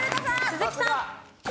鈴木さん。